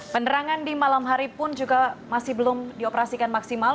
penerangan di malam hari pun juga masih belum dioperasikan maksimal